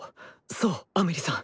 そうアメリさん。